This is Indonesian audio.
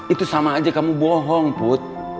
itu sama aja kamu bohong put